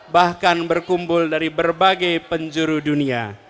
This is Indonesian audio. bahkan berkumpul dari berbagai penjuru dunia